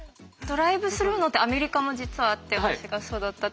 ドライブスルーのってアメリカも実はあって私が育った。